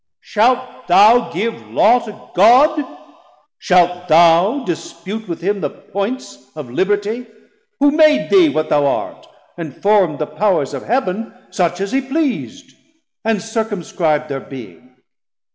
Shalt thou give Law to God, shalt thou dispute With him the points of libertie, who made 820 Thee what thou art, & formd the Pow'rs of Heav'n Such as he pleasd, and circumscrib'd thir being?